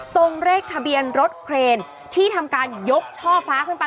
ตรงเลขทะเบียนรถเครนที่ทำการยกช่อฟ้าขึ้นไป